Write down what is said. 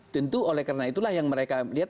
tentu oleh karena itulah yang mereka lihat